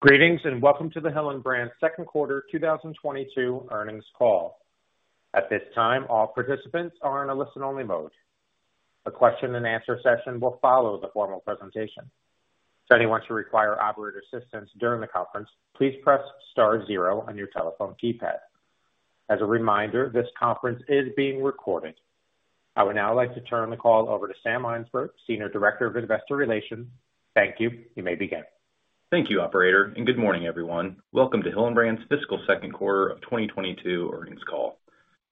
Greetings, and welcome to the Hillenbrand second quarter 2022 earnings call. At this time, all participants are in a listen-only mode. A question-and-answer session will follow the formal presentation. If anyone should require operator assistance during the conference, please press star zero on your telephone keypad. As a reminder, this conference is being recorded. I would now like to turn the call over to Sam Mynsberge, Senior Director of Investor Relations. Thank you. You may begin. Thank you, operator, and good morning, everyone. Welcome to Hillenbrand's fiscal second quarter of 2022 earnings call.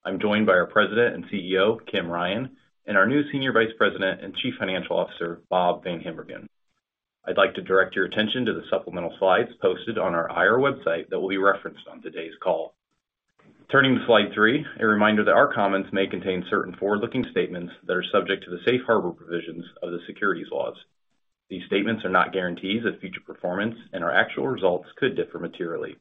I'm joined by our President and CEO, Kim Ryan, and our new Senior Vice President and Chief Financial Officer, Bob VanHimbergen. I'd like to direct your attention to the supplemental slides posted on our IR website that will be referenced on today's call. Turning to slide three, a reminder that our comments may contain certain forward-looking statements that are subject to the safe harbor provisions of the securities laws. These statements are not guarantees of future performance and our actual results could differ materially.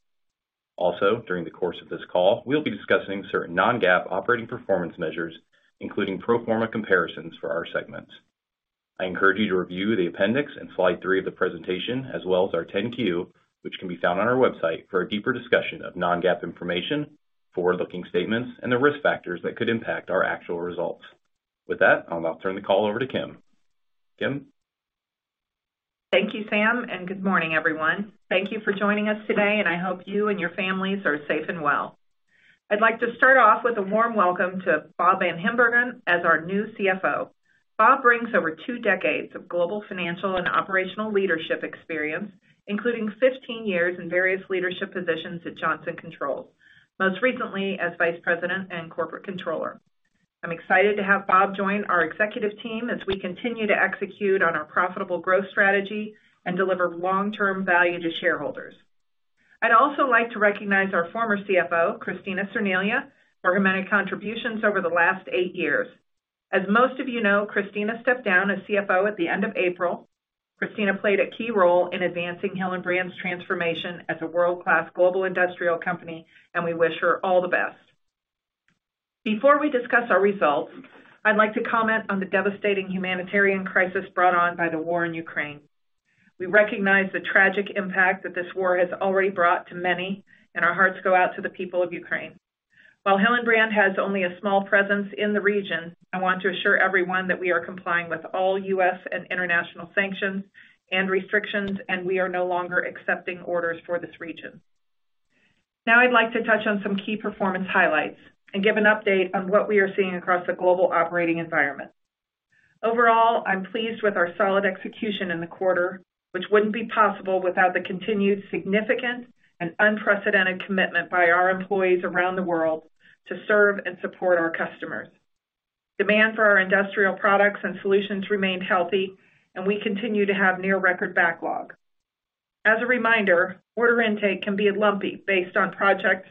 Also, during the course of this call, we'll be discussing certain non-GAAP operating performance measures, including pro forma comparisons for our segments. I encourage you to review the appendix in slide three of the presentation, as well as our 10-Q, which can be found on our website for a deeper discussion of non-GAAP information, forward-looking statements, and the risk factors that could impact our actual results. With that, I'll now turn the call over to Kim. Kim? Thank you, Sam, and good morning, everyone. Thank you for joining us today, and I hope you and your families are safe and well. I'd like to start off with a warm welcome to Bob VanHimbergen as our new CFO. Bob brings over two decades of global financial and operational leadership experience, including 15 years in various leadership positions at Johnson Controls, most recently as Vice President and Corporate Controller. I'm excited to have Bob join our executive team as we continue to execute on our profitable growth strategy and deliver long-term value to shareholders. I'd also like to recognize our former CFO, Kristina Cerniglia, for her many contributions over the last eight years. As most of you know, Kristina stepped down as CFO at the end of April. Kristina played a key role in advancing Hillenbrand's transformation as a world-class global industrial company, and we wish her all the best. Before we discuss our results, I'd like to comment on the devastating humanitarian crisis brought on by the war in Ukraine. We recognize the tragic impact that this war has already brought to many, and our hearts go out to the people of Ukraine. While Hillenbrand has only a small presence in the region, I want to assure everyone that we are complying with all U.S. and international sanctions and restrictions, and we are no longer accepting orders for this region. Now I'd like to touch on some key performance highlights and give an update on what we are seeing across the global operating environment. Overall, I'm pleased with our solid execution in the quarter, which wouldn't be possible without the continued significant and unprecedented commitment by our employees around the world to serve and support our customers. Demand for our industrial products and solutions remained healthy, and we continue to have near record backlog. As a reminder, order intake can be lumpy based on project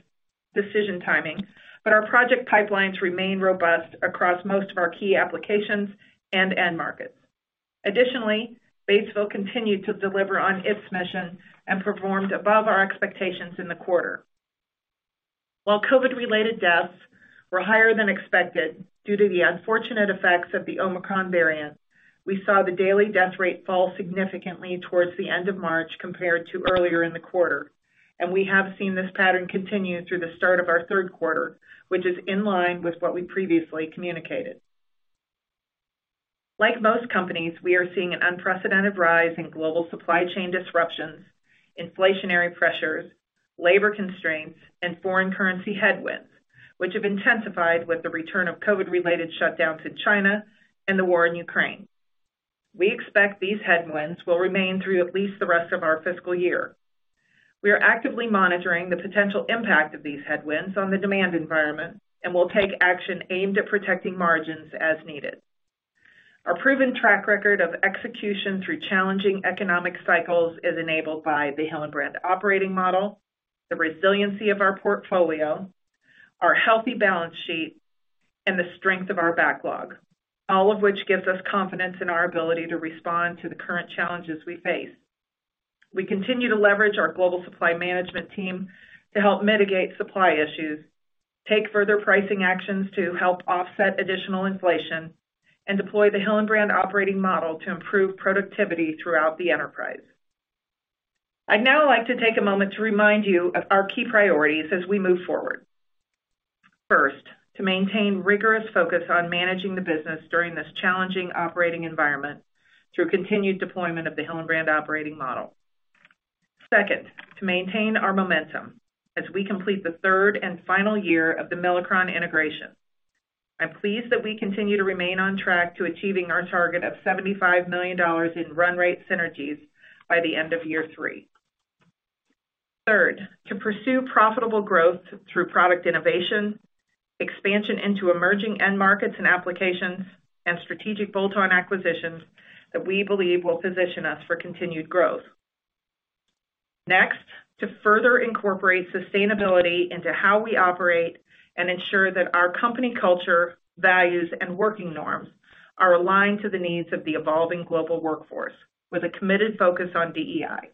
decision timing, but our project pipelines remain robust across most of our key applications and end markets. Additionally, Batesville continued to deliver on its mission and performed above our expectations in the quarter. While COVID-related deaths were higher than expected due to the unfortunate effects of the Omicron variant, we saw the daily death rate fall significantly towards the end of March compared to earlier in the quarter. We have seen this pattern continue through the start of our third quarter, which is in line with what we previously communicated. Like most companies, we are seeing an unprecedented rise in global supply chain disruptions, inflationary pressures, labor constraints, and foreign currency headwinds, which have intensified with the return of COVID-related shutdowns in China and the war in Ukraine. We expect these headwinds will remain through at least the rest of our fiscal year. We are actively monitoring the potential impact of these headwinds on the demand environment and will take action aimed at protecting margins as needed. Our proven track record of execution through challenging economic cycles is enabled by the Hillenbrand operating model, the resiliency of our portfolio, our healthy balance sheet, and the strength of our backlog, all of which gives us confidence in our ability to respond to the current challenges we face. We continue to leverage our global supply management team to help mitigate supply issues, take further pricing actions to help offset additional inflation, and deploy the Hillenbrand Operating Model to improve productivity throughout the enterprise. I'd now like to take a moment to remind you of our key priorities as we move forward. First, to maintain rigorous focus on managing the business during this challenging operating environment through continued deployment of the Hillenbrand Operating Model. Second, to maintain our momentum as we complete the third and final year of the Milacron integration. I'm pleased that we continue to remain on track to achieving our target of $75 million in run rate synergies by the end of year three. Third, to pursue profitable growth through product innovation, expansion into emerging end markets and applications, and strategic bolt-on acquisitions that we believe will position us for continued growth. Next, to further incorporate sustainability into how we operate and ensure that our company culture, values, and working norms are aligned to the needs of the evolving global workforce with a committed focus on DEI.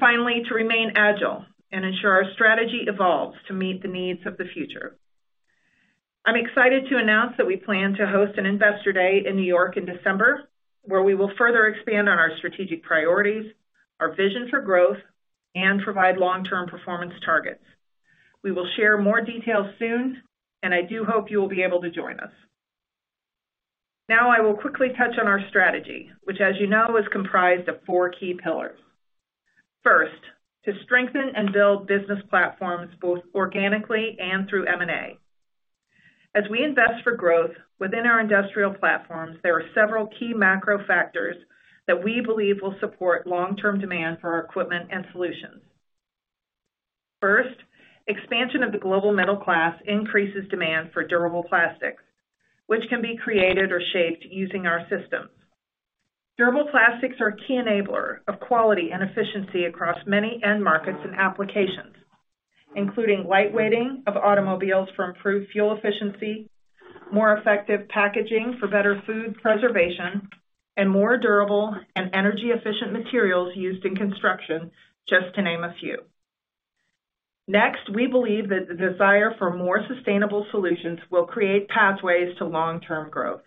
Finally, to remain agile and ensure our strategy evolves to meet the needs of the future. I'm excited to announce that we plan to host an Investor Day in New York in December, where we will further expand on our strategic priorities, our vision for growth, and provide long-term performance targets. We will share more details soon, and I do hope you will be able to join us. Now I will quickly touch on our strategy, which as you know, is comprised of four key pillars. First, to strengthen and build business platforms, both organically and through M&A. As we invest for growth within our industrial platforms, there are several key macro factors that we believe will support long-term demand for our equipment and solutions. First, expansion of the global middle class increases demand for durable plastics, which can be created or shaped using our systems. Durable plastics are a key enabler of quality and efficiency across many end markets and applications, including lightweighting of automobiles for improved fuel efficiency, more effective packaging for better food preservation, and more durable and energy-efficient materials used in construction, just to name a few. Next, we believe that the desire for more sustainable solutions will create pathways to long-term growth.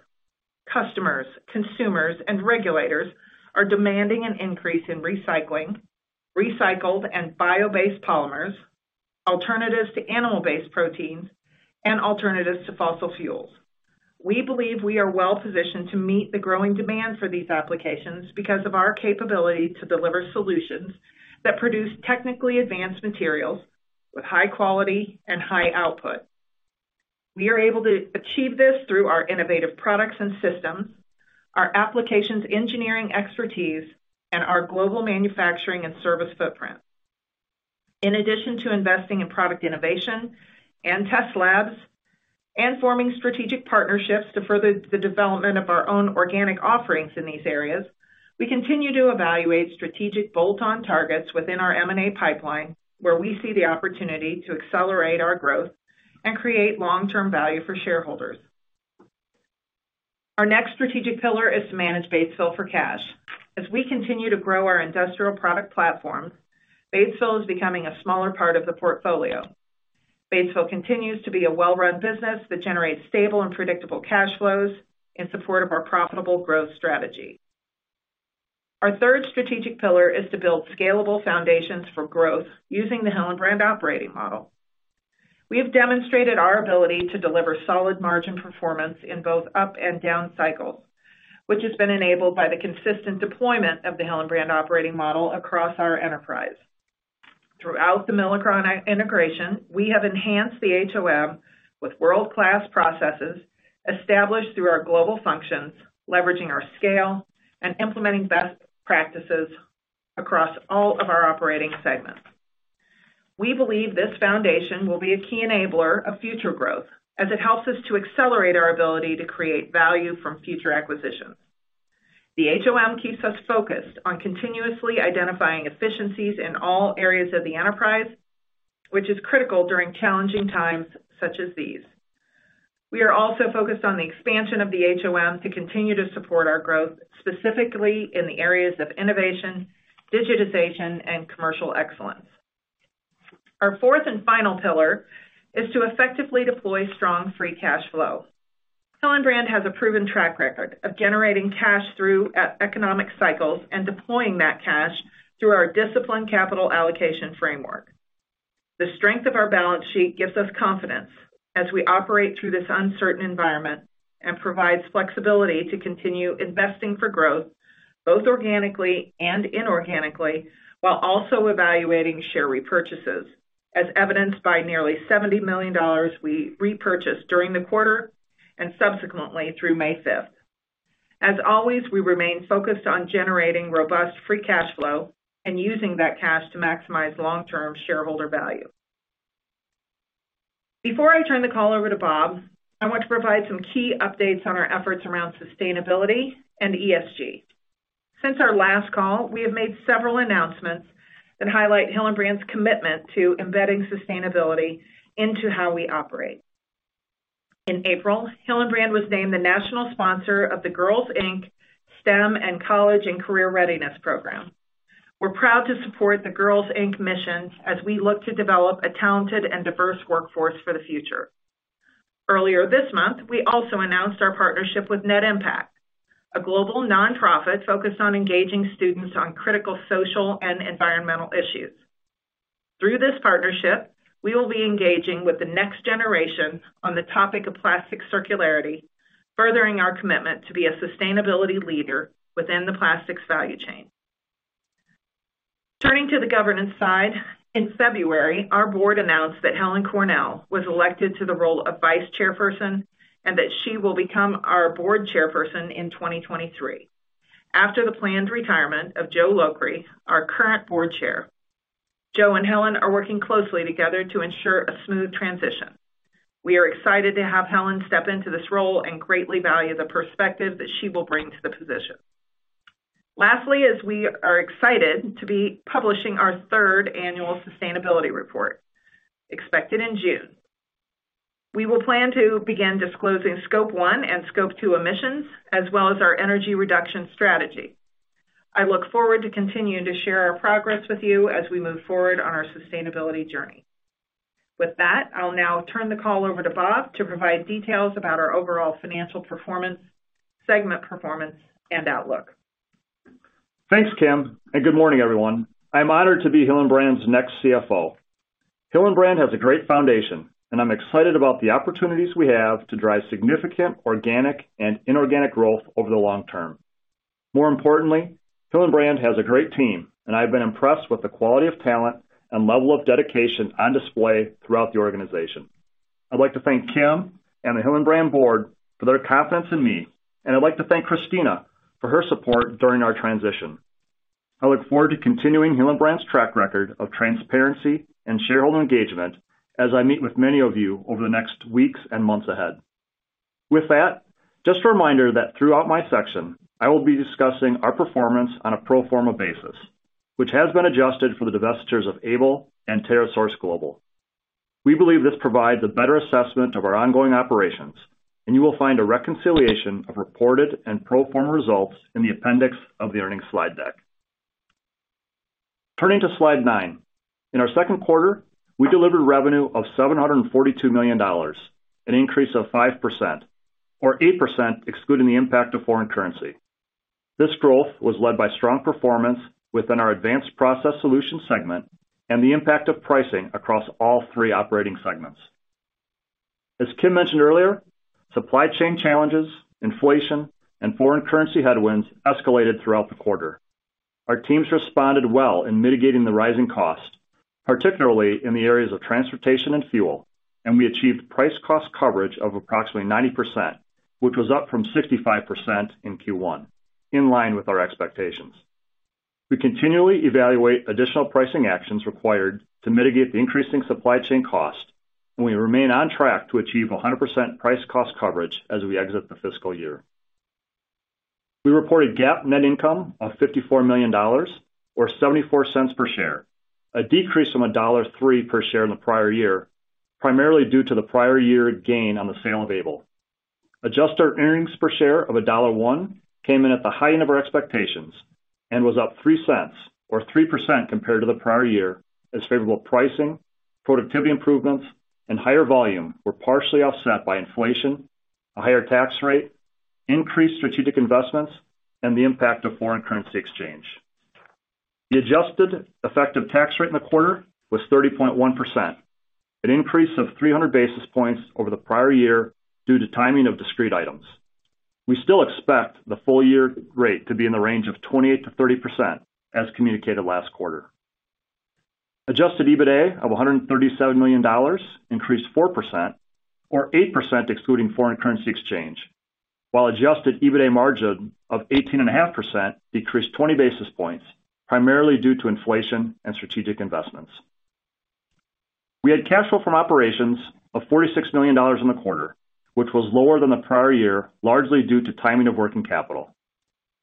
Customers, consumers, and regulators are demanding an increase in recycling, recycled and bio-based polymers, alternatives to animal-based proteins, and alternatives to fossil fuels. We believe we are well-positioned to meet the growing demand for these applications because of our capability to deliver solutions that produce technically advanced materials with high quality and high output. We are able to achieve this through our innovative products and systems, our applications engineering expertise, and our global manufacturing and service footprint. In addition to investing in product innovation and test labs and forming strategic partnerships to further the development of our own organic offerings in these areas, we continue to evaluate strategic bolt-on targets within our M&A pipeline, where we see the opportunity to accelerate our growth and create long-term value for shareholders. Our next strategic pillar is to manage Batesville for cash. As we continue to grow our industrial product platform, Batesville is becoming a smaller part of the portfolio. Batesville continues to be a well-run business that generates stable and predictable cash flows in support of our profitable growth strategy. Our third strategic pillar is to build scalable foundations for growth using the Hillenbrand Operating Model. We have demonstrated our ability to deliver solid margin performance in both up and down cycles, which has been enabled by the consistent deployment of the Hillenbrand Operating Model across our enterprise. Throughout the Milacron integration, we have enhanced the HOM with world-class processes established through our global functions, leveraging our scale and implementing best practices across all of our operating segments. We believe this foundation will be a key enabler of future growth as it helps us to accelerate our ability to create value from future acquisitions. The HOM keeps us focused on continuously identifying efficiencies in all areas of the enterprise, which is critical during challenging times such as these. We are also focused on the expansion of the HOM to continue to support our growth, specifically in the areas of innovation, digitization, and commercial excellence. Our fourth and final pillar is to effectively deploy strong free cash flow. Hillenbrand has a proven track record of generating cash through economic cycles and deploying that cash through our disciplined capital allocation framework. The strength of our balance sheet gives us confidence as we operate through this uncertain environment and provides flexibility to continue investing for growth, both organically and inorganically, while also evaluating share repurchases, as evidenced by nearly $70 million we repurchased during the quarter and subsequently through May 5th. As always, we remain focused on generating robust free cash flow and using that cash to maximize long-term shareholder value. Before I turn the call over to Bob, I want to provide some key updates on our efforts around sustainability and ESG. Since our last call, we have made several announcements that highlight Hillenbrand's commitment to embedding sustainability into how we operate. In April, Hillenbrand was named the national sponsor of the Girls Inc STEM and College and Career Readiness Program. We're proud to support the Girls Inc mission as we look to develop a talented and diverse workforce for the future. Earlier this month, we also announced our partnership with Net Impact, a global nonprofit focused on engaging students on critical social and environmental issues. Through this partnership, we will be engaging with the next generation on the topic of plastic circularity, furthering our commitment to be a sustainability leader within the plastics value chain. Turning to the governance side, in February, our board announced that Helen Cornell was elected to the role of Vice Chairperson, and that she will become our Board Chairperson in 2023 after the planned retirement of Joe Loughrey, our current Board Chair. Joe and Helen are working closely together to ensure a smooth transition. We are excited to have Helen step into this role and greatly value the perspective that she will bring to the position. Lastly, we are excited to be publishing our third annual sustainability report expected in June. We will plan to begin disclosing Scope 1 and Scope 2 emissions, as well as our energy reduction strategy. I look forward to continuing to share our progress with you as we move forward on our sustainability journey. With that, I'll now turn the call over to Bob to provide details about our overall financial performance, segment performance, and outlook. Thanks, Kim, and good morning, everyone. I'm honored to be Hillenbrand's next CFO. Hillenbrand has a great foundation, and I'm excited about the opportunities we have to drive significant organic and inorganic growth over the long term. More importantly, Hillenbrand has a great team, and I've been impressed with the quality of talent and level of dedication on display throughout the organization. I'd like to thank Kim and the Hillenbrand board for their confidence in me, and I'd like to thank Kristina for her support during our transition. I look forward to continuing Hillenbrand's track record of transparency and shareholder engagement as I meet with many of you over the next weeks and months ahead. With that, just a reminder that throughout my section, I will be discussing our performance on a pro forma basis, which has been adjusted for the divestitures of ABEL and TerraSource Global. We believe this provides a better assessment of our ongoing operations, and you will find a reconciliation of reported and pro forma results in the appendix of the earnings slide deck. Turning to slide nine. In our second quarter, we delivered revenue of $742 million, an increase of 5% or 8% excluding the impact of foreign currency. This growth was led by strong performance within our Advanced Process Solutions segment and the impact of pricing across all three operating segments. As Kim mentioned earlier, supply chain challenges, inflation, and foreign currency headwinds escalated throughout the quarter. Our teams responded well in mitigating the rising cost, particularly in the areas of transportation and fuel, and we achieved price cost coverage of approximately 90%, which was up from 65% in Q1, in line with our expectations. We continually evaluate additional pricing actions required to mitigate the increasing supply chain cost, and we remain on track to achieve 100% price cost coverage as we exit the fiscal year. We reported GAAP net income of $54 million or $0.74 per share, a decrease from $1.03 per share in the prior year, primarily due to the prior year gain on the sale of ABEL. Adjusted earnings per share of $1.01 came in at the high end of our expectations and was up $0.03 or 3% compared to the prior year as favorable pricing, productivity improvements, and higher volume were partially offset by inflation, a higher tax rate, increased strategic investments, and the impact of foreign currency exchange. The adjusted effective tax rate in the quarter was 30.1%, an increase of 300 basis points over the prior year due to timing of discrete items. We still expect the full year rate to be in the range of 28%-30% as communicated last quarter. Adjusted EBITDA of $137 million increased 4% or 8% excluding foreign currency exchange, while Adjusted EBITDA margin of 18.5% decreased 20 basis points primarily due to inflation and strategic investments. We had cash flow from operations of $46 million in the quarter, which was lower than the prior year, largely due to timing of working capital.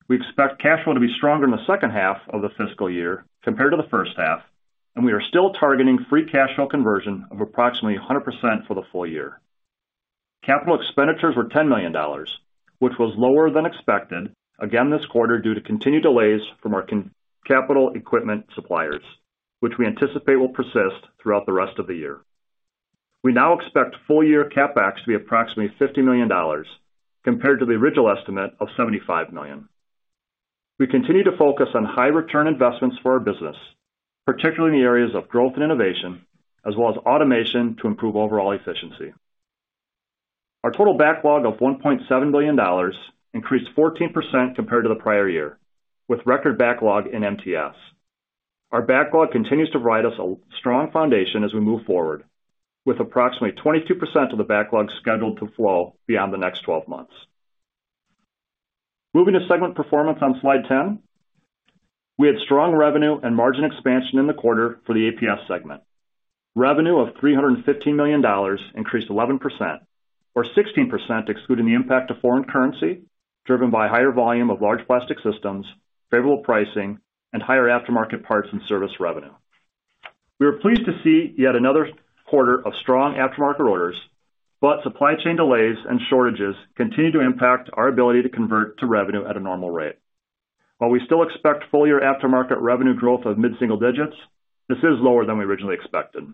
We expect cash flow to be stronger in the second half of the fiscal year compared to the first half, and we are still targeting free cash flow conversion of approximately 100% for the full year. Capital expenditures were $10 million, which was lower than expected, again this quarter due to continued delays from our capital equipment suppliers, which we anticipate will persist throughout the rest of the year. We now expect full year CapEx to be approximately $50 million compared to the original estimate of $75 million. We continue to focus on high return investments for our business, particularly in the areas of growth and innovation, as well as automation to improve overall efficiency. Our total backlog of $1.7 billion increased 14% compared to the prior year, with record backlog in MTS. Our backlog continues to provide us a strong foundation as we move forward, with approximately 22% of the backlog scheduled to flow beyond the next 12 months. Moving to segment performance on slide 10. We had strong revenue and margin expansion in the quarter for the APS segment. Revenue of $315 million increased 11% or 16% excluding the impact of foreign currency, driven by higher volume of large plastic systems, favorable pricing, and higher aftermarket parts and service revenue. We were pleased to see yet another quarter of strong aftermarket orders, but supply chain delays and shortages continue to impact our ability to convert to revenue at a normal rate. While we still expect full year aftermarket revenue growth of mid-single digits, this is lower than we originally expected.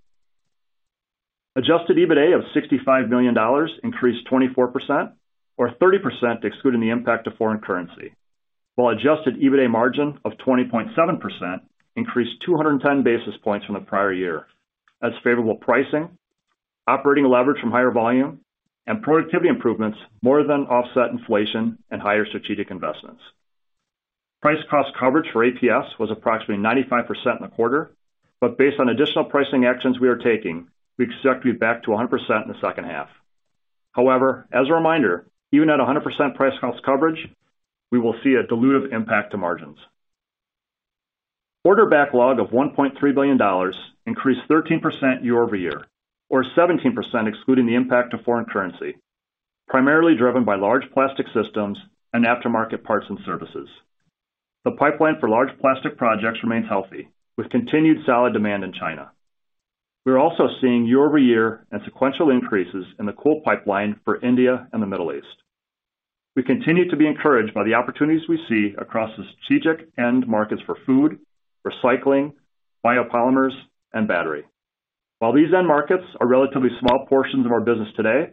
Adjusted EBITDA of $65 million increased 24% or 30% excluding the impact of foreign currency, while Adjusted EBITDA margin of 20.7% increased 210 basis points from the prior year as favorable pricing, operating leverage from higher volume, and productivity improvements more than offset inflation and higher strategic investments. Price cost coverage for APS was approximately 95% in the quarter, but based on additional pricing actions we are taking, we expect to be back to 100% in the second half. However, as a reminder, even at 100% price cost coverage, we will see a dilutive impact to margins. Order backlog of $1.3 billion increased 13% year-over-year or 17% excluding the impact of foreign currency, primarily driven by large plastic systems and aftermarket parts and services. The pipeline for large plastic projects remains healthy with continued solid demand in China. We're also seeing year-over-year and sequential increases in the quote pipeline for India and the Middle East. We continue to be encouraged by the opportunities we see across the strategic end markets for food, recycling, biopolymers, and battery. While these end markets are relatively small portions of our business today,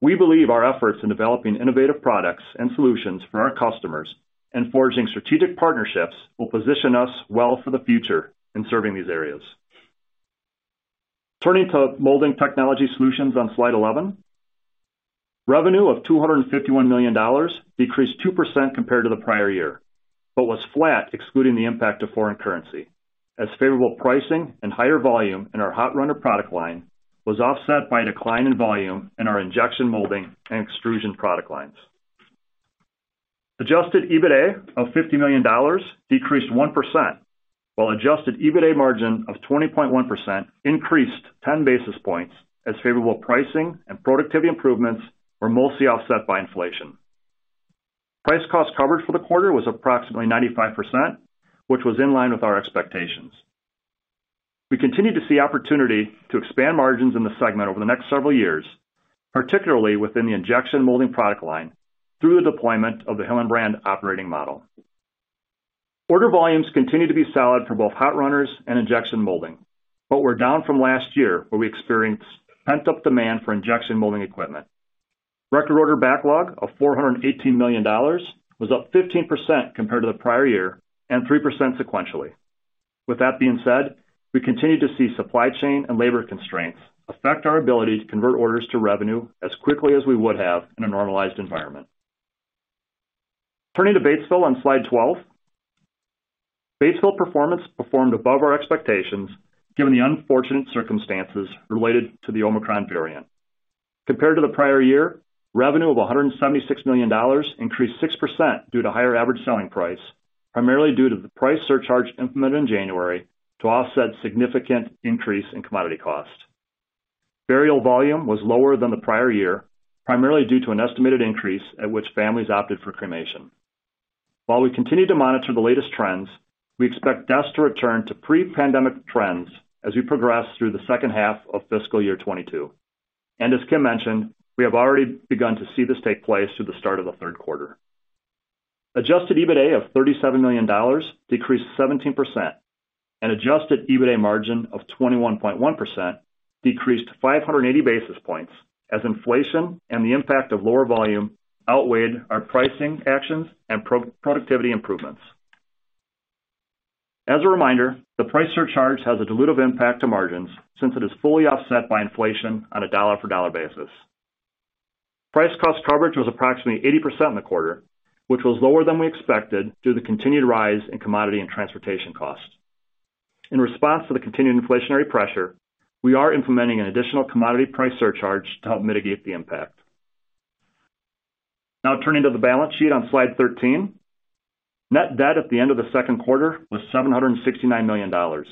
we believe our efforts in developing innovative products and solutions for our customers and forging strategic partnerships will position us well for the future in serving these areas. Turning to Molding Technology Solutions on slide 11. Revenue of $251 million decreased 2% compared to the prior year, but was flat excluding the impact of foreign currency, as favorable pricing and higher volume in our hot runner product line was offset by a decline in volume in our injection molding and extrusion product lines. Adjusted EBITDA of $50 million decreased 1%, while Adjusted EBITDA margin of 20.1% increased 10 basis points as favorable pricing and productivity improvements were mostly offset by inflation. Price cost coverage for the quarter was approximately 95%, which was in line with our expectations. We continue to see opportunity to expand margins in the segment over the next several years, particularly within the injection molding product line, through the deployment of the Hillenbrand Operating Model. Order volumes continue to be solid for both hot runners and injection molding, but were down from last year, where we experienced pent-up demand for injection molding equipment. Record order backlog of $418 million was up 15% compared to the prior year and 3% sequentially. With that being said, we continue to see supply chain and labor constraints affect our ability to convert orders to revenue as quickly as we would have in a normalized environment. Turning to Batesville on slide 12. Batesville performance performed above our expectations given the unfortunate circumstances related to the Omicron variant. Compared to the prior year, revenue of $176 million increased 6% due to higher average selling price, primarily due to the price surcharge implemented in January to offset significant increase in commodity cost. Burial volume was lower than the prior year, primarily due to an estimated increase in which families opted for cremation. While we continue to monitor the latest trends, we expect deaths to return to pre-pandemic trends as we progress through the second half of fiscal year 2022. As Kim mentioned, we have already begun to see this take place through the start of the third quarter. Adjusted EBITDA of $37 million decreased 17% and Adjusted EBITDA margin of 21.1% decreased 580 basis points as inflation and the impact of lower volume outweighed our pricing actions and productivity improvements. As a reminder, the price surcharge has a dilutive impact to margins since it is fully offset by inflation on a dollar-for-dollar basis. Price cost coverage was approximately 80% in the quarter, which was lower than we expected due to the continued rise in commodity and transportation costs. In response to the continued inflationary pressure, we are implementing an additional commodity price surcharge to help mitigate the impact. Now turning to the balance sheet on slide 13. Net debt at the end of the second quarter was $769 million,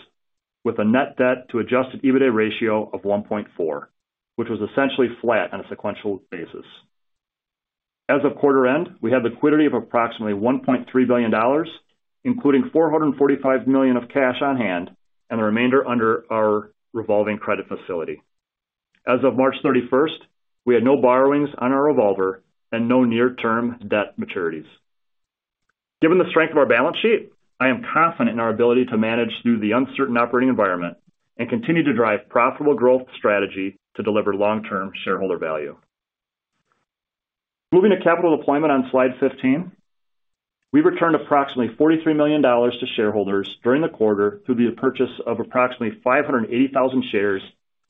with a net debt to Adjusted EBITDA ratio of 1.4x, which was essentially flat on a sequential basis. As of quarter end, we have liquidity of approximately $1.3 billion, including $445 million of cash on hand and the remainder under our revolving credit facility. As of March 31st, we had no borrowings on our revolver and no near-term debt maturities. Given the strength of our balance sheet, I am confident in our ability to manage through the uncertain operating environment and continue to drive profitable growth strategy to deliver long-term shareholder value. Moving to capital deployment on slide 15. We returned approximately $43 million to shareholders during the quarter through the purchase of approximately 580,000 shares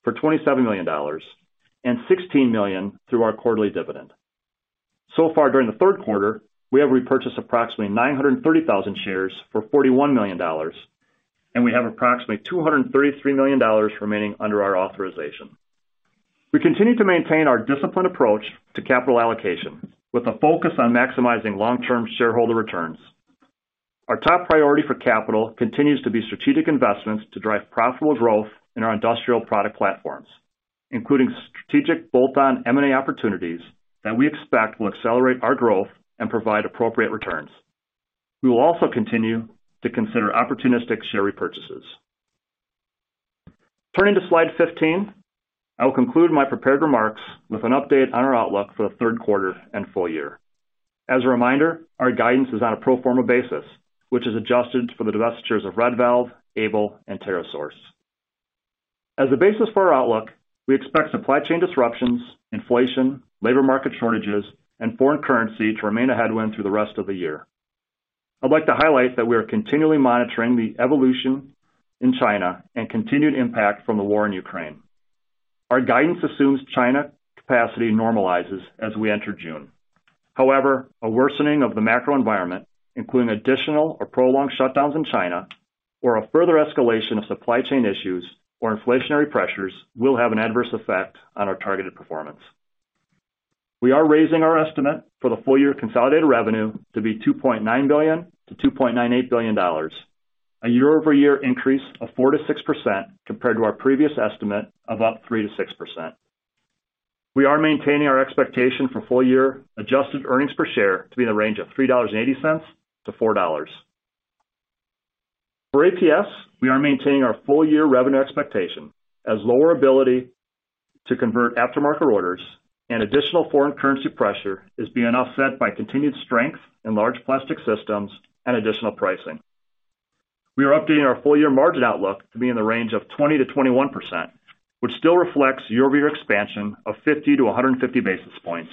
for $27 million and $16 million through our quarterly dividend. So far during the third quarter, we have repurchased approximately 930,000 shares for $41 million, and we have approximately $233 million remaining under our authorization. We continue to maintain our disciplined approach to capital allocation with a focus on maximizing long-term shareholder returns. Our top priority for capital continues to be strategic investments to drive profitable growth in our industrial product platforms, including strategic bolt-on M&A opportunities that we expect will accelerate our growth and provide appropriate returns. We will also continue to consider opportunistic share repurchases. Turning to slide 15, I will conclude my prepared remarks with an update on our outlook for the third quarter and full year. As a reminder, our guidance is on a pro forma basis, which is adjusted for the divestitures of Red Valve, ABEL, and TerraSource. As a basis for our outlook, we expect supply chain disruptions, inflation, labor market shortages, and foreign currency to remain a headwind through the rest of the year. I'd like to highlight that we are continually monitoring the evolution in China and continued impact from the war in Ukraine. Our guidance assumes China capacity normalizes as we enter June. However, a worsening of the macro environment, including additional or prolonged shutdowns in China or a further escalation of supply chain issues or inflationary pressures, will have an adverse effect on our targeted performance. We are raising our estimate for the full-year consolidated revenue to be $2.9 billion-$2.98 billion, a year-over-year increase of 4%-6% compared to our previous estimate of up 3%-6%. We are maintaining our expectation for full-year adjusted earnings per share to be in the range of $3.80-$4. For APS, we are maintaining our full-year revenue expectation as lower ability to convert aftermarket orders and additional foreign currency pressure is being offset by continued strength in large plastic systems and additional pricing. We are updating our full-year margin outlook to be in the range of 20%-21%, which still reflects year-over-year expansion of 50-150 basis points,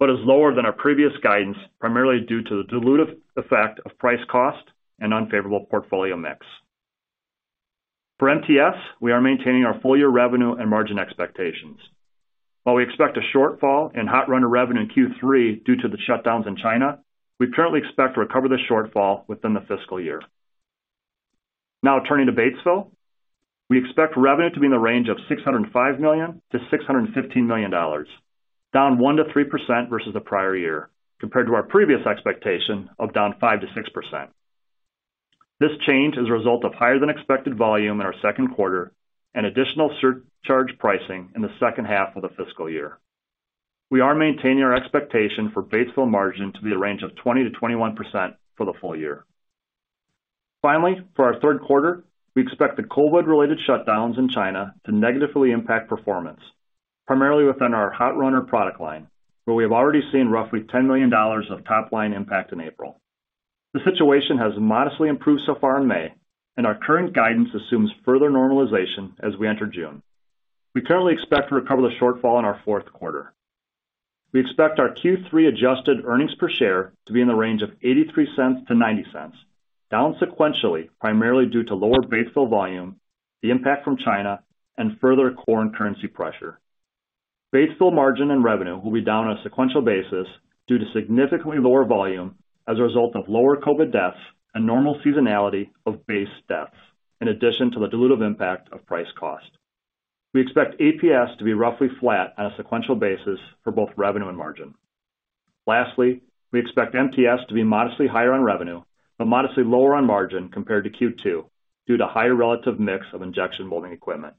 but is lower than our previous guidance, primarily due to the dilutive effect of price cost and unfavorable portfolio mix. For MTS, we are maintaining our full-year revenue and margin expectations. While we expect a shortfall in hot runner revenue in Q3 due to the shutdowns in China, we currently expect to recover the shortfall within the fiscal year. Now turning to Batesville. We expect revenue to be in the range of $605 million-$615 million, down 1%-3% versus the prior year, compared to our previous expectation of down 5%-6%. This change is a result of higher-than-expected volume in our second quarter and additional surcharge pricing in the second half of the fiscal year. We are maintaining our expectation for Batesville margin to be the range of 20%-21% for the full year. Finally, for our third quarter, we expect the COVID-related shutdowns in China to negatively impact performance, primarily within our hot runner product line, where we have already seen roughly $10 million of top line impact in April. The situation has modestly improved so far in May, and our current guidance assumes further normalization as we enter June. We currently expect to recover the shortfall in our fourth quarter. We expect our Q3 adjusted earnings per share to be in the range of $0.83-$0.90, down sequentially, primarily due to lower Batesville volume, the impact from China, and further foreign currency pressure. Batesville margin and revenue will be down on a sequential basis due to significantly lower volume as a result of lower COVID deaths and normal seasonality of base deaths, in addition to the dilutive impact of price cost. We expect APS to be roughly flat on a sequential basis for both revenue and margin. Lastly, we expect MTS to be modestly higher on revenue, but modestly lower on margin compared to Q2 due to higher relative mix of injection molding equipment.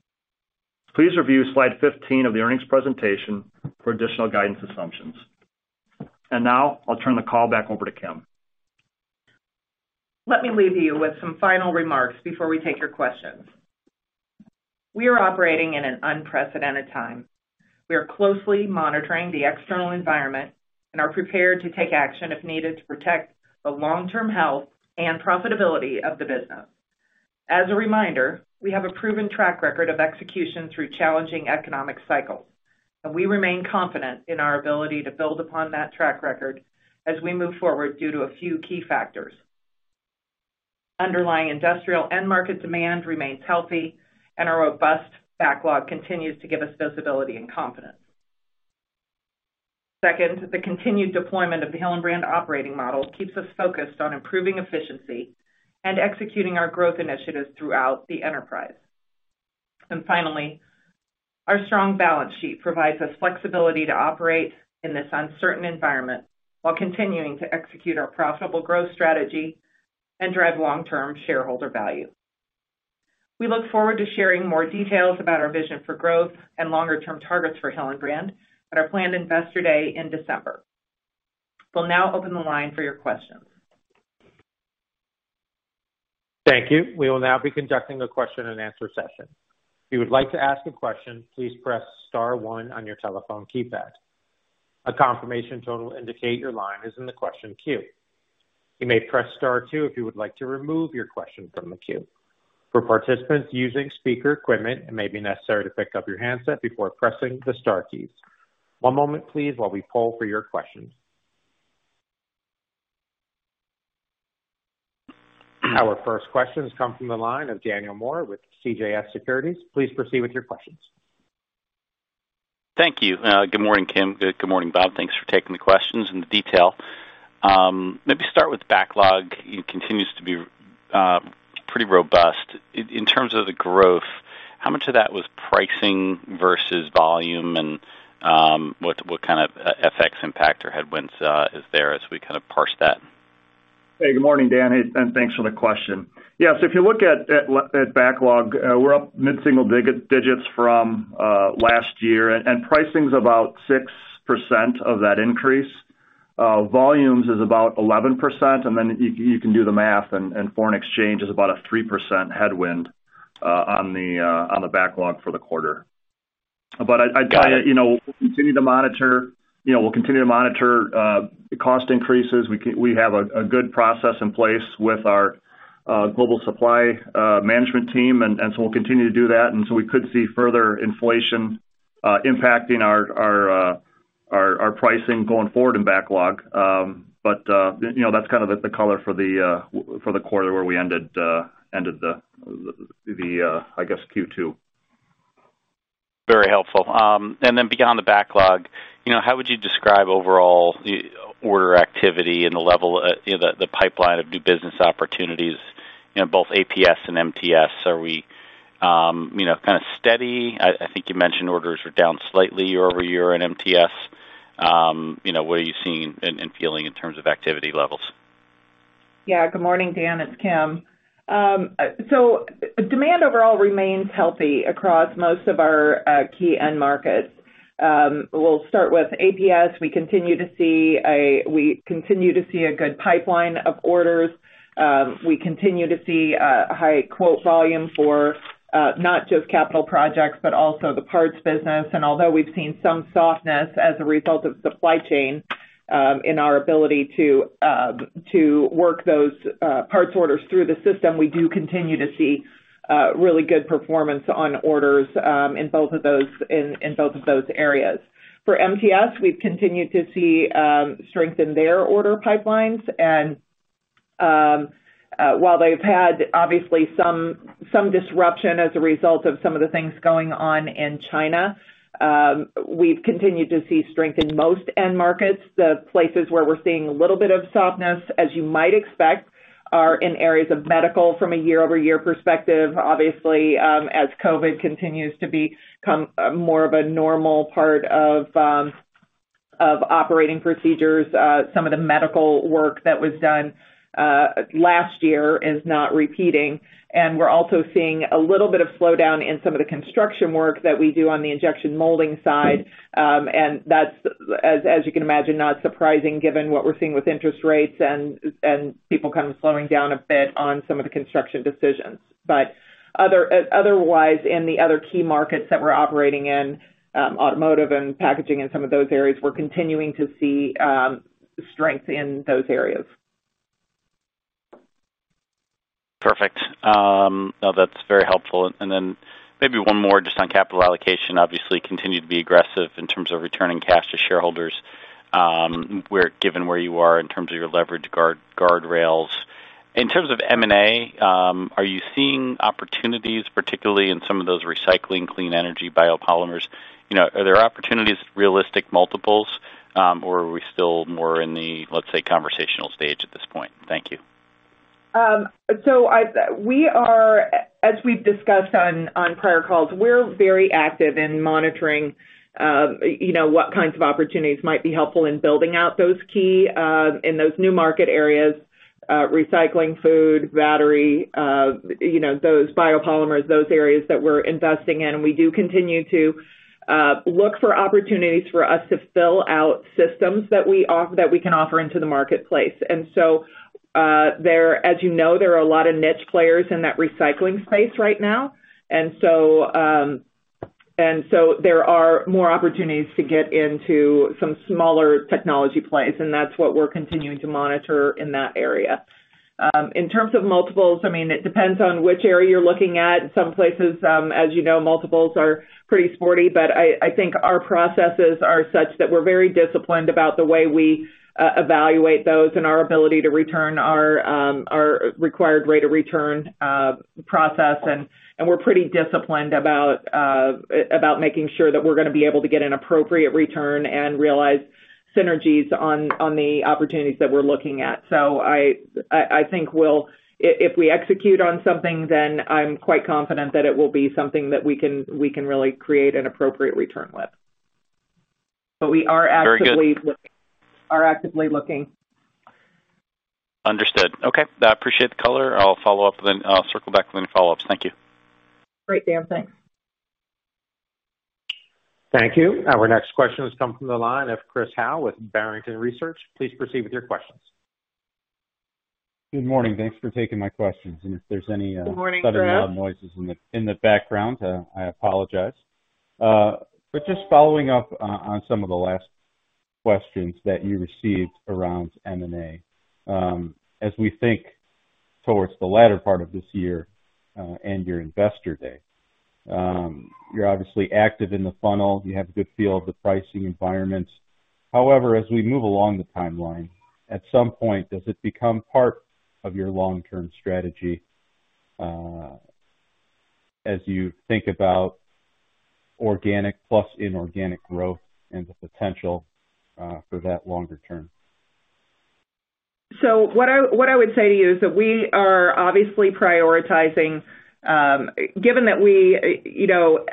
Please review slide 15 of the earnings presentation for additional guidance assumptions. Now I'll turn the call back over to Kim. Let me leave you with some final remarks before we take your questions. We are operating in an unprecedented time. We are closely monitoring the external environment and are prepared to take action if needed to protect the long-term health and profitability of the business. As a reminder, we have a proven track record of execution through challenging economic cycles, and we remain confident in our ability to build upon that track record as we move forward due to a few key factors. Underlying industrial end market demand remains healthy, and our robust backlog continues to give us visibility and confidence. Second, the continued deployment of the Hillenbrand Operating Model keeps us focused on improving efficiency and executing our growth initiatives throughout the enterprise. Finally, our strong balance sheet provides us flexibility to operate in this uncertain environment while continuing to execute our profitable growth strategy and drive long-term shareholder value. We look forward to sharing more details about our vision for growth and longer-term targets for Hillenbrand at our planned Investor Day in December. We'll now open the line for your questions. Thank you. We will now be conducting a question-and-answer session. If you would like to ask a question, please press star one on your telephone keypad. A confirmation tone will indicate your line is in the question queue. You may press star two if you would like to remove your question from the queue. For participants using speaker equipment, it may be necessary to pick up your handset before pressing the star keys. One moment, please, while we poll for your questions. Our first question has come from the line of Daniel Moore with CJS Securities. Please proceed with your questions. Thank you. Good morning, Kim. Good morning, Bob. Thanks for taking the questions and the detail. Let me start with backlog. It continues to be pretty robust. In terms of the growth, how much of that was pricing versus volume and what kind of FX impact or headwinds is there as we kind of parse that? Hey, good morning, Dan, and thanks for the question. Yeah, so if you look at backlog, we're up mid-single digits from last year, and pricing's about 6% of that increase. Volumes is about 11%, and then you can do the math, and foreign exchange is about a 3% headwind on the backlog for the quarter. I'd tell you. Got it. You know, we'll continue to monitor cost increases. We have a good process in place with our global supply management team, and so we'll continue to do that. We could see further inflation impacting our pricing going forward in backlog. You know, that's kind of the color for the quarter where we ended, I guess, Q2. Very helpful. And then beyond the backlog, you know, how would you describe overall the order activity and the level, you know, the pipeline of new business opportunities in both APS and MTS? Are we, you know, kind of steady? I think you mentioned orders were down slightly year-over-year in MTS. You know, what are you seeing and feeling in terms of activity levels? Good morning, Dan. It's Kim. Demand overall remains healthy across most of our key end markets. We'll start with APS. We continue to see a good pipeline of orders. We continue to see a high quote volume for not just capital projects, but also the parts business. Although we've seen some softness as a result of supply chain in our ability to work those parts orders through the system, we do continue to see really good performance on orders in both of those areas. For MTS, we've continued to see strength in their order pipelines. While they've had obviously some disruption as a result of some of the things going on in China, we've continued to see strength in most end markets. The places where we're seeing a little bit of softness, as you might expect, are in areas of medical from a year-over-year perspective. Obviously, as COVID continues to become more of a normal part of operating procedures, some of the medical work that was done last year is not repeating. We're also seeing a little bit of slowdown in some of the construction work that we do on the injection molding side. That's, as you can imagine, not surprising given what we're seeing with interest rates and people kind of slowing down a bit on some of the construction decisions. Otherwise, in the other key markets that we're operating in, automotive and packaging and some of those areas, we're continuing to see strength in those areas. Perfect. No, that's very helpful. Maybe one more just on capital allocation. Obviously, continue to be aggressive in terms of returning cash to shareholders, given where you are in terms of your leverage guardrails. In terms of M&A, are you seeing opportunities, particularly in some of those recycling clean energy biopolymers? You know, are there opportunities, realistic multiples, or are we still more in the, let's say, conversational stage at this point? Thank you. We are, as we've discussed on prior calls, very active in monitoring, you know, what kinds of opportunities might be helpful in building out those key in those new market areas, recycling food, battery, you know, those biopolymers, those areas that we're investing in. We do continue to look for opportunities for us to fill out systems that we can offer into the marketplace. As you know, there are a lot of niche players in that recycling space right now. There are more opportunities to get into some smaller technology plays, and that's what we're continuing to monitor in that area. In terms of multiples, I mean, it depends on which area you're looking at. In some places, as you know, multiples are pretty sporty. I think our processes are such that we're very disciplined about the way we evaluate those and our ability to return our required rate of return process. We're pretty disciplined about making sure that we're gonna be able to get an appropriate return and realize synergies on the opportunities that we're looking at. I think we'll. If we execute on something, then I'm quite confident that it will be something that we can really create an appropriate return with. We are actively Very good. Are actively looking. Understood. Okay. I appreciate the color. I'll follow up and then I'll circle back with any follow-ups. Thank you. Great, Dan. Thanks. Thank you. Our next question has come from the line of Chris Howe with Barrington Research. Please proceed with your questions. Good morning. Thanks for taking my questions. If there's any, Good morning, Chris. Sudden loud noises in the background. I apologize. Just following up on some of the last questions that you received around M&A. As we think towards the latter part of this year and your investor day, you're obviously active in the funnel. You have a good feel of the pricing environment. However, as we move along the timeline, at some point, does it become part of your long-term strategy, as you think about organic plus inorganic growth and the potential for that longer term? What I would say to you is that we are obviously prioritizing, given that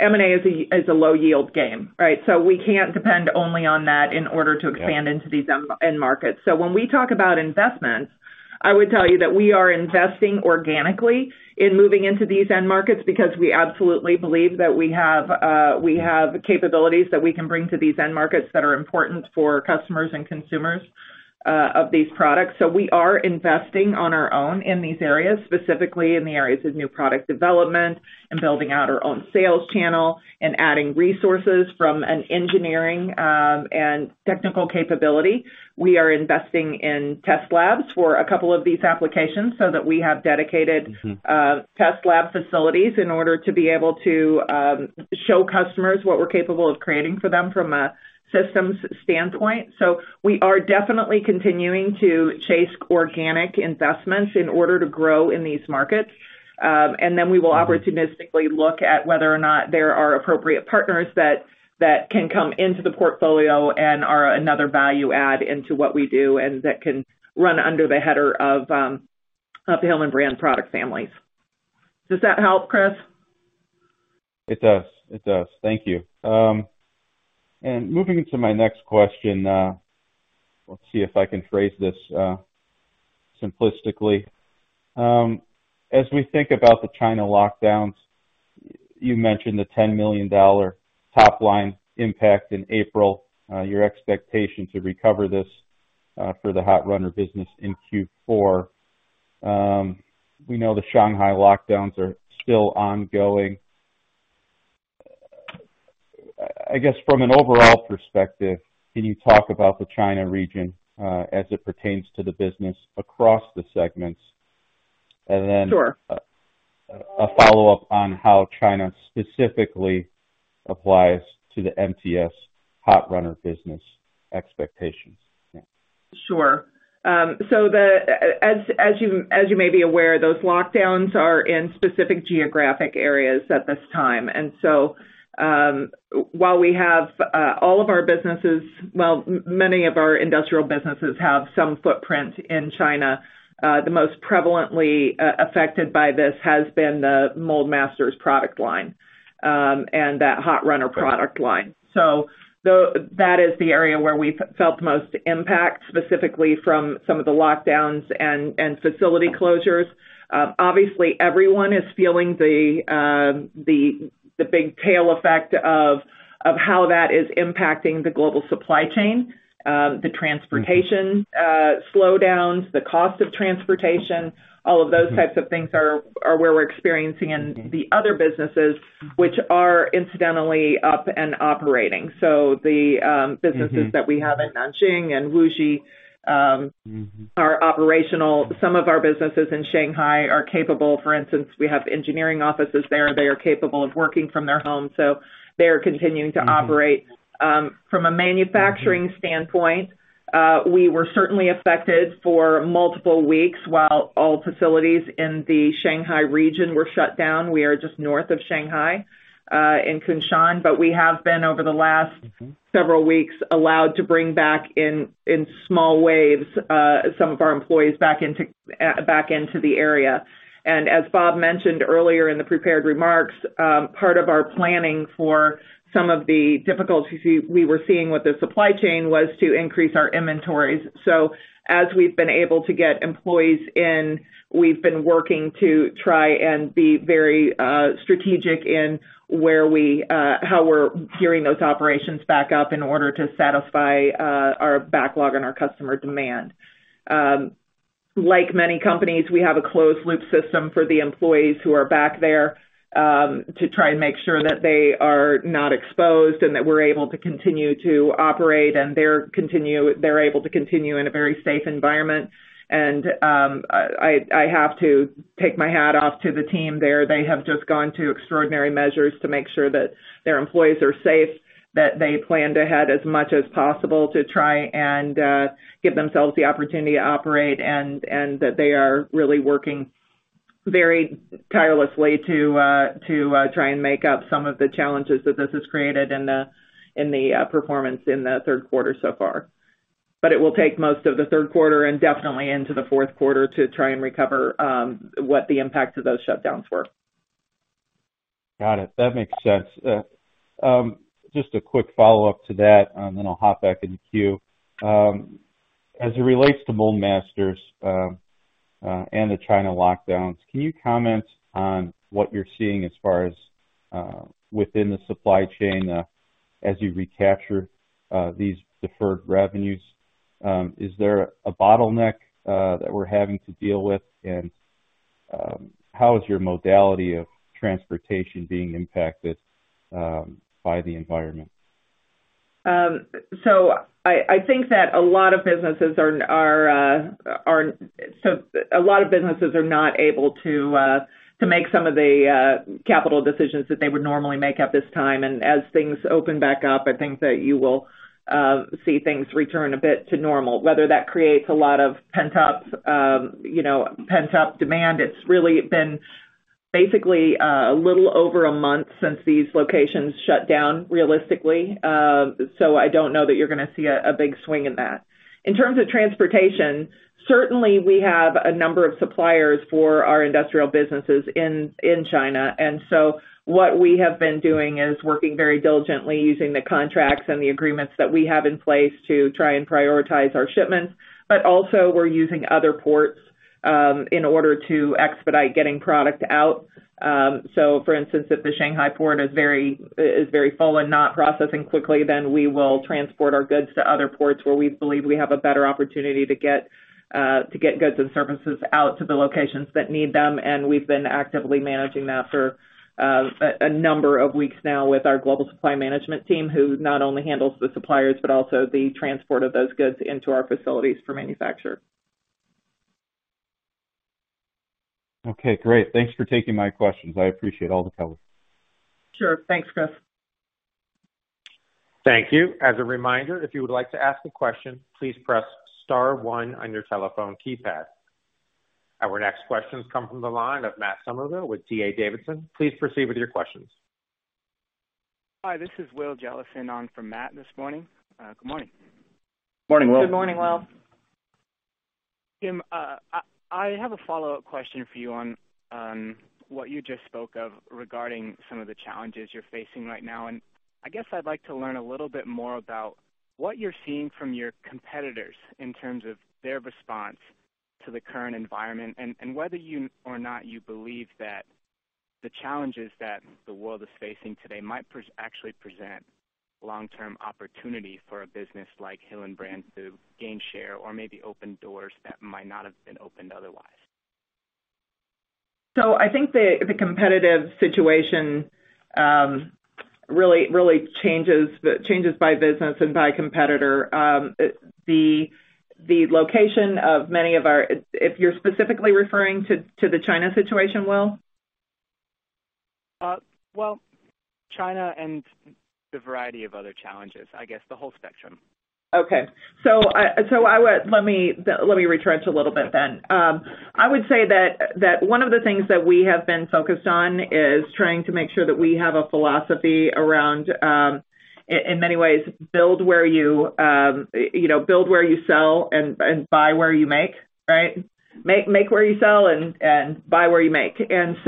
M&A is a low-yield game, right? We can't depend only on that in order to expand into these end markets. When we talk about investments, I would tell you that we are investing organically in moving into these end markets because we absolutely believe that we have capabilities that we can bring to these end markets that are important for customers and consumers of these products. We are investing on our own in these areas, specifically in the areas of new product development and building out our own sales channel and adding resources from an engineering and technical capability. We are investing in test labs for a couple of these applications so that we have dedicated. Mm-hmm Test lab facilities in order to be able to show customers what we're capable of creating for them from a systems standpoint. We are definitely continuing to chase organic investments in order to grow in these markets. We will opportunistically look at whether or not there are appropriate partners that can come into the portfolio and are another value add into what we do and that can run under the header of Hillenbrand product families. Does that help, Chris? It does. Thank you. Moving into my next question, let's see if I can phrase this simplistically. As we think about the China lockdowns, you mentioned the $10 million top line impact in April, your expectation to recover this, for the hot runner business in Q4. We know the Shanghai lockdowns are still ongoing. I guess from an overall perspective, can you talk about the China region, as it pertains to the business across the segments? Then- Sure A follow-up on how China specifically applies to the MTS hot runner business expectations. Yeah. Sure. As you may be aware, those lockdowns are in specific geographic areas at this time. While we have all of our businesses, many of our industrial businesses have some footprint in China, the most prevalent affected by this has been the Mold-Masters product line and that hot runner product line. That is the area where we felt the most impact, specifically from some of the lockdowns and facility closures. Obviously, everyone is feeling the big tail effect of how that is impacting the global supply chain, the transportation slowdowns, the cost of transportation. All of those types of things are where we're experiencing in the other businesses, which are incidentally up and operating. The businesses that we have in Nanjing and Wuxi are operational. Some of our businesses in Shanghai are capable. For instance, we have engineering offices there. They are capable of working from their homes, so they are continuing to operate. From a manufacturing standpoint, we were certainly affected for multiple weeks while all facilities in the Shanghai region were shut down. We are just north of Shanghai in Kunshan, but we have been, over the last several weeks, allowed to bring back in small waves some of our employees back into the area. As Bob mentioned earlier in the prepared remarks, part of our planning for some of the difficulties we were seeing with the supply chain was to increase our inventories. As we've been able to get employees in, we've been working to try and be very strategic in how we're gearing those operations back up in order to satisfy our backlog and our customer demand. Like many companies, we have a closed loop system for the employees who are back there to try and make sure that they are not exposed and that we're able to continue to operate, and they're able to continue in a very safe environment. I have to take my hat off to the team there. They have just gone to extraordinary measures to make sure that their employees are safe, that they planned ahead as much as possible to try and give themselves the opportunity to operate, and that they are really working very tirelessly to try and make up some of the challenges that this has created in the performance in the third quarter so far. It will take most of the third quarter and definitely into the fourth quarter to try and recover what the impact of those shutdowns were. Got it. That makes sense. Just a quick follow-up to that, and then I'll hop back in the queue. As it relates to Mold-Masters, and the China lockdowns, can you comment on what you're seeing as far as, within the supply chain, as you recapture these deferred revenues? Is there a bottleneck that we're having to deal with? How is your mode of transportation being impacted by the environment? I think that a lot of businesses are not able to make some of the capital decisions that they would normally make at this time. As things open back up, I think that you will see things return a bit to normal. Whether that creates a lot of pent-up, you know, pent-up demand, it's really been basically a little over a month since these locations shut down realistically. I don't know that you're gonna see a big swing in that. In terms of transportation, certainly we have a number of suppliers for our industrial businesses in China. What we have been doing is working very diligently using the contracts and the agreements that we have in place to try and prioritize our shipments. Also we're using other ports in order to expedite getting product out. For instance, if the Shanghai port is very full and not processing quickly, then we will transport our goods to other ports where we believe we have a better opportunity to get goods and services out to the locations that need them. We've been actively managing that for a number of weeks now with our global supply management team, who not only handles the suppliers, but also the transport of those goods into our facilities for manufacture. Okay, great. Thanks for taking my questions. I appreciate all the color. Sure. Thanks, Chris. Thank you. As a reminder, if you would like to ask a question, please press star one on your telephone keypad. Our next questions come from the line of Matt Summerville with D.A. Davidson. Please proceed with your questions. Hi, this is Will Jellison on for Matt this morning. Good morning. Morning, Will. Good morning, Will. Kim, I have a follow-up question for you on what you just spoke of regarding some of the challenges you're facing right now. I guess I'd like to learn a little bit more about what you're seeing from your competitors in terms of their response to the current environment, and whether or not you believe that the challenges that the world is facing today might actually present long-term opportunity for a business like Hillenbrand to gain share or maybe open doors that might not have been opened otherwise. I think the competitive situation really changes by business and by competitor. If you're specifically referring to the China situation, Will? Well, China and the variety of other challenges, I guess the whole spectrum. Let me retrench a little bit then. I would say that one of the things that we have been focused on is trying to make sure that we have a philosophy around, in many ways, you know, make where you sell and buy where you make, right?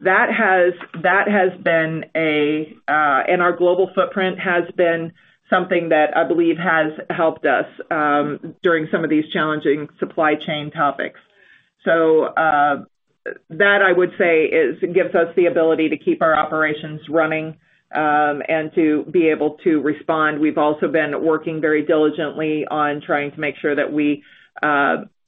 That has been a. Our global footprint has been something that I believe has helped us during some of these challenging supply chain topics. That, I would say, gives us the ability to keep our operations running and to be able to respond. We've also been working very diligently on trying to make sure that we.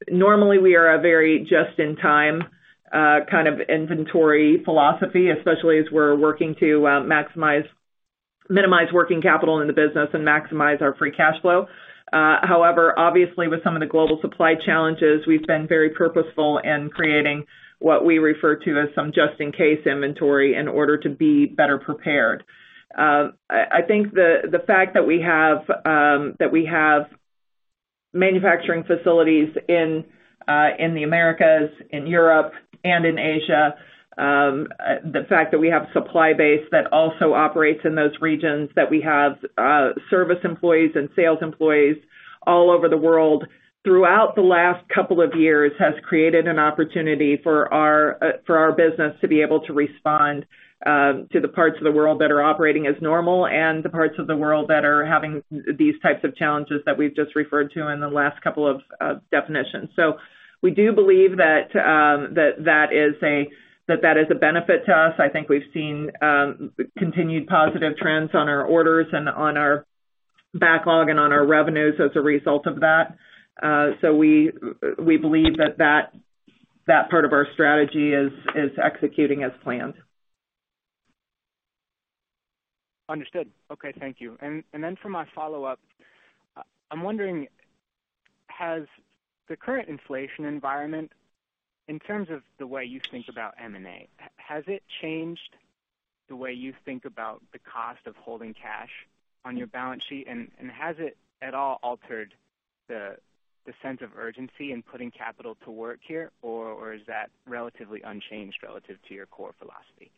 Normally, we are a very just-in-time kind of inventory philosophy, especially as we're working to minimize working capital in the business and maximize our free cash flow. However, obviously, with some of the global supply challenges, we've been very purposeful in creating what we refer to as some just-in-case inventory in order to be better prepared. I think the fact that we have manufacturing facilities in the Americas, in Europe, and in Asia, the fact that we have a supply base that also operates in those regions, that we have service employees and sales employees all over the world throughout the last couple of years has created an opportunity for our business to be able to respond to the parts of the world that are operating as normal and the parts of the world that are having these types of challenges that we've just referred to in the last couple of definitions. We do believe that that is a benefit to us. I think we've seen continued positive trends on our orders and on our backlog and on our revenues as a result of that. We believe that that part of our strategy is executing as planned. Understood. Okay, thank you. For my follow-up, I'm wondering, has the current inflation environment, in terms of the way you think about M&A, has it changed the way you think about the cost of holding cash on your balance sheet? Has it at all altered the sense of urgency in putting capital to work here? Is that relatively unchanged relative to your core philosophy?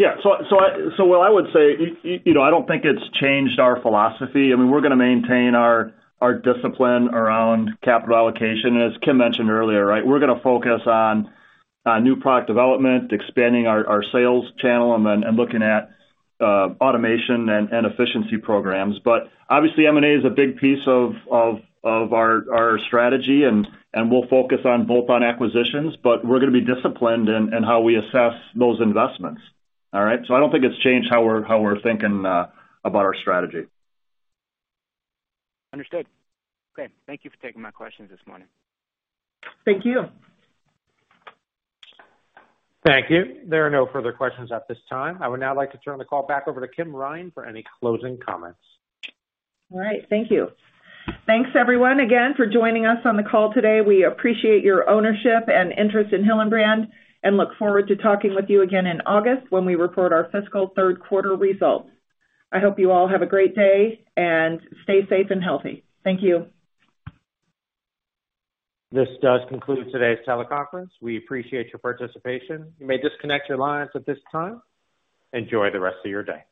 Yeah. What I would say, you know, I don't think it's changed our philosophy. I mean, we're gonna maintain our discipline around capital allocation. As Kim mentioned earlier, right? We're gonna focus on new product development, expanding our sales channel, and looking at automation and efficiency programs. Obviously, M&A is a big piece of our strategy, and we'll focus on bolt-on acquisitions. We're gonna be disciplined in how we assess those investments, all right? I don't think it's changed how we're thinking about our strategy. Understood. Okay. Thank you for taking my questions this morning. Thank you. Thank you. There are no further questions at this time. I would now like to turn the call back over to Kim Ryan for any closing comments. All right. Thank you. Thanks everyone again for joining us on the call today. We appreciate your ownership and interest in Hillenbrand, and look forward to talking with you again in August when we report our fiscal third quarter results. I hope you all have a great day, and stay safe and healthy. Thank you. This does conclude today's teleconference. We appreciate your participation. You may disconnect your lines at this time. Enjoy the rest of your day.